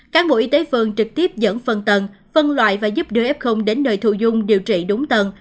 các bộ y tế phương trực tiếp dẫn phân tầng phân loại và giúp đưa f đến nơi thụ dung điều trị đúng tầng